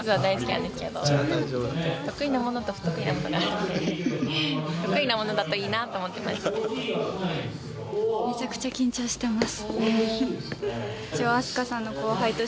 得意なものだといいなと思ってます。